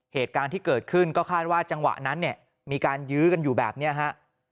เหตุการณ์ที่เกิดขึ้นก็คาดว่าจังหวะนั้นเนี่ยมีการยื้อกันอยู่แบบนี้ฮะ